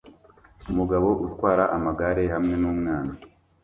Umugabo utwara amagare hamwe n'umwana